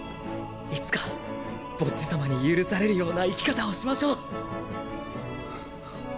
いつかボッジ様に許されるような生き方をしましょう。